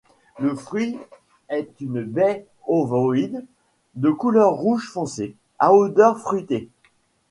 Le fruit est une baie ovoïde, de couleur rouge foncé, à odeur fruitée.